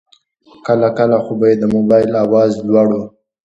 کله کله خو به یې د موبایل آواز لوړ و.